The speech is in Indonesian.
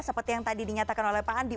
seperti yang tadi dinyatakan oleh pak andi